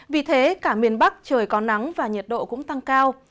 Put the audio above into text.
vì thế cả miền bắc trời có nắng và nhiệt độ cũng tăng cao